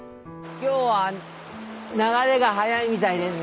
今日は流れが速いみたいですね。